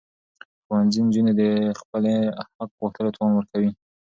ښوونځي نجونې د خپل حق غوښتلو توان ورکوي.